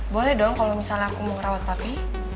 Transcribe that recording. boleh dong kalau misalnya aku mau ngerawat tapi